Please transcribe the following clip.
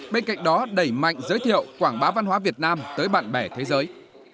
bên cạnh đó đẩy mạnh giới thiệu quảng bá văn hóa việt nam tới bạn bè thế giới